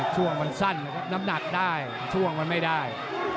ช่วงมันสั้นนะครับน้ำหนักได้ช่วงมันไม่ได้